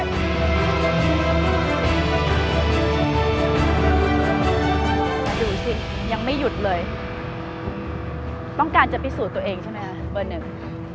ดูสิยังไม่หยุดเลยต้องการจะพิสูจน์ตัวเองใช่ไหมคะเบอร์หนึ่ง